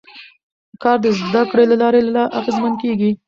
کار د زده کړې له لارې لا اغېزمن کېږي